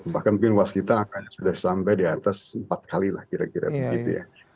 bahkan mungkin waskita akan sudah sampai di atas empat kali lah kira kira begitu ya